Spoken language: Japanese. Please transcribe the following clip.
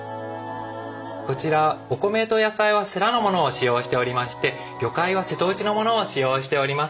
こちらお米と野菜は世羅のものを使用しておりまして魚介は瀬戸内のものを使用しております。